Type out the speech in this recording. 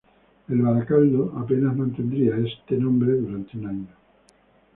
El Barakaldo apenas mantendría este nombre durante un año.